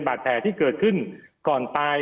บาดแผลที่เกิดขึ้นก่อนตาย